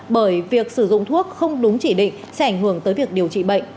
bởi việc sử dụng thuốc không đúng chỉ định sẽ ảnh hưởng tới việc điều trị bệnh